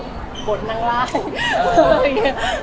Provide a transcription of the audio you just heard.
คงเป็นแบบเรื่องปกติที่แบบ